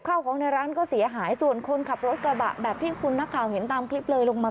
ข้าวของในร้านก็เสียหายส่วนคนขับรถกระบะแบบที่คุณนักข่าวเห็นตามคลิปเลยลงมา